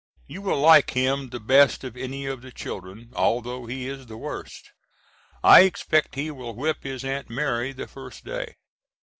You will like him the best of any of the children, although he is the worst. I expect he will whip his Aunt Mary the first day.